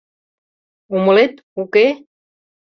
Умылет, уке?